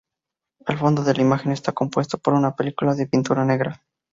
El fondo de la imagen está compuesto por una película de pintura negra.